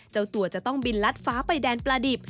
เจ้าตัวจะต้องบินลัดฟ้าไปแดนปลาดิบ